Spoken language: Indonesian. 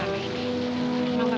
om tak apa